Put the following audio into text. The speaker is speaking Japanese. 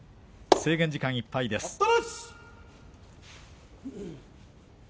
制限時間いっぱいです。